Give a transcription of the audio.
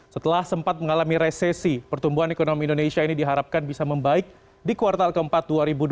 setelah sempat mengalami resesi pertumbuhan ekonomi indonesia ini diharapkan bisa membaik di kuartal keempat dua ribu dua puluh